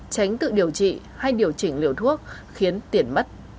tránh tự điều trị hay điều chỉnh liều thuốc khiến tiền mất tật mang